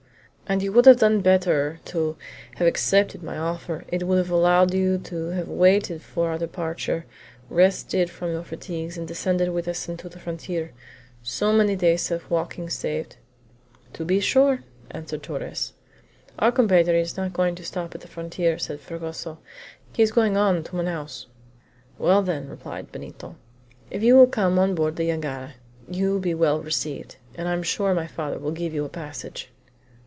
"And you would have done better to have accepted my offer; it would have allowed you to have waited for our departure, rested from you fatigues, and descended with us to the frontier; so many days of walking saved." "To be sure!" answered Torres. "Our compatriot is not going to stop at the frontier," said Fragoso, "he is going on to Manaos." "Well, then," replied Benito, "if you will come on board the jangada you will be well received, and I am sure my father will give you a passage."